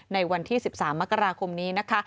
ในวันที่๑๓มกราคมนี้นะคะ